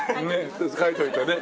書いといてね。